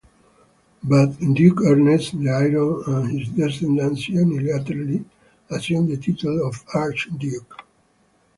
But Duke Ernest the Iron and his descendants unilaterally assumed the title of "Archduke".